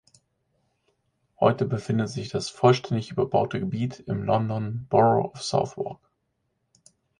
Heute befindet sich das (vollständig überbaute) Gebiet im London Borough of Southwark.